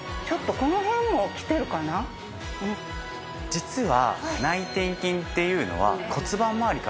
実は。